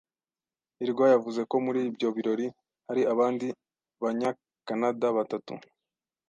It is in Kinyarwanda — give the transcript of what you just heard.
hirwa yavuze ko muri ibyo birori hari abandi Banyakanada batatu.